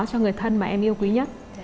cho người thân mà em yêu quý nhất